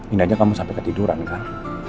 ini aja kamu sampai ketiduran kan